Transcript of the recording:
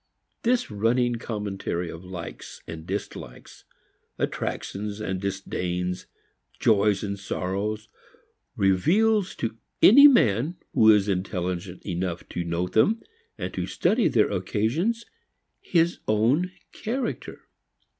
This running commentary of likes and dislikes, attractions and disdains, joys and sorrows, reveals to any man who is intelligent enough to note them and to study their occasions his own character.